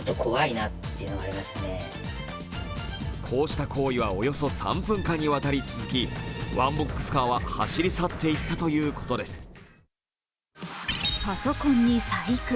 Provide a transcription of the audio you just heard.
こうした行為はおよそ３分間にわたり続きワンボックスカーは走り去っていったということです。